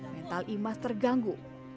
mental imas terganggu